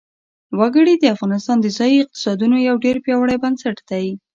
وګړي د افغانستان د ځایي اقتصادونو یو ډېر پیاوړی بنسټ دی.